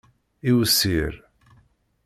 Iwsir.